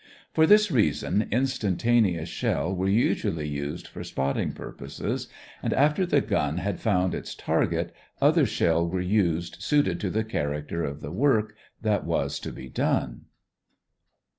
For this reason, instantaneous shell were usually used for spotting purposes, and after the gun had found its target, other shell were used suited to the character of the work that was to be done.